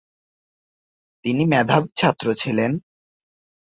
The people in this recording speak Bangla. তিনি মেধাবী ছাত্র ছিলেন।